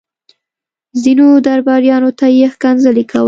ځينو درباريانو ته يې کنځلې کولې.